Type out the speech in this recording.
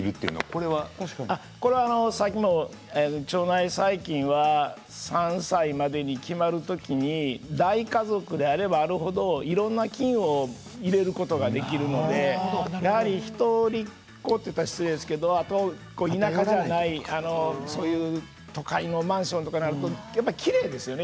これはあのさっきの腸内細菌は３歳までに決まる時に大家族であればあるほどいろんな菌を入れることができるのでやはり一人っ子っていったら失礼ですけどあと田舎じゃないそういう都会のマンションとかなるとやっぱきれいですよね